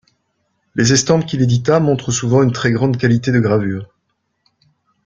Les estampes qu'il édita montrent souvent une très grande qualité de gravure.